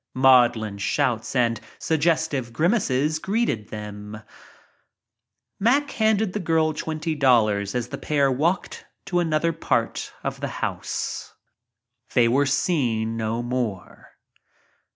Maudlin shouts and suggestive grimaces greeted them. Mack handed the girl twenty dollars as the pair walked to another part of the house. They were seen no more.